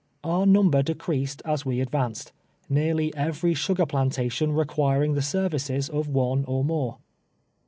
Our num ber decreased as we advanced — nearly every sugar plantation requiring the services of one or more.